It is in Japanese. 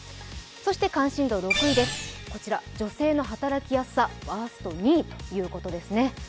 関心度６位です、女性の働きやすさ、ワースト２位ということですね。